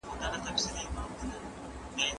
ولي يې بوڼکي راشيوه کېږي.